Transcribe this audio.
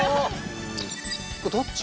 これどっち？